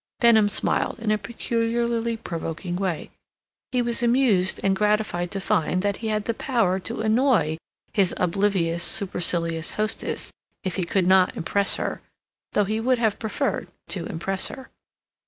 Denham smiled, in a peculiarly provoking way. He was amused and gratified to find that he had the power to annoy his oblivious, supercilious hostess, if he could not impress her; though he would have preferred to impress her.